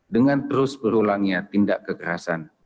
dengan terus berulangnya tindak kekerasan